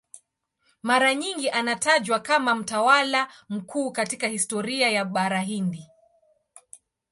Mara nyingi anatajwa kama mtawala mkuu katika historia ya Bara Hindi.